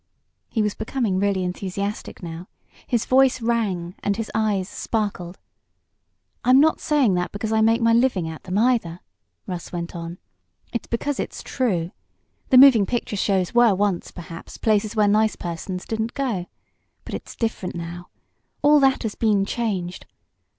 He was becoming really enthusiastic now. His voice rang, and his eyes sparkled. "I'm not saying that because I make my living at them, either," Russ went on. "It's because it's true. The moving picture shows were once, perhaps, places where nice persons didn't go. But it's different now. All that has been changed.